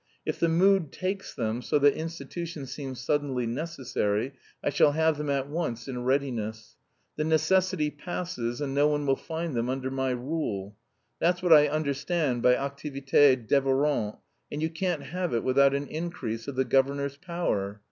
If the mood takes them so that institutions seem suddenly necessary, I shall have them at once in readiness. The necessity passes and no one will find them under my rule. That's what I understand by activité dévorante, and you can't have it without an increase of the governor's power.